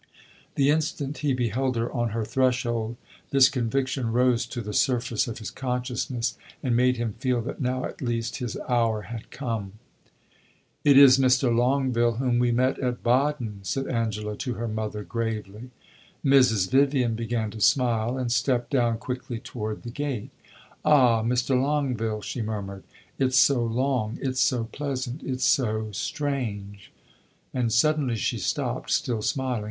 The instant he beheld her on her threshold this conviction rose to the surface of his consciousness and made him feel that now, at least, his hour had come. "It is Mr. Longueville, whom we met at Baden," said Angela to her mother, gravely. Mrs. Vivian began to smile, and stepped down quickly toward the gate. "Ah, Mr. Longueville," she murmured, "it 's so long it 's so pleasant it 's so strange " And suddenly she stopped, still smiling.